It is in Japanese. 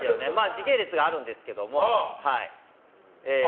時系列があるんですけど。